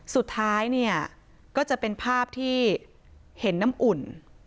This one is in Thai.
สุดท้ายเนี่ยก็จะเป็นภาพที่เห็นน้ำอุ่น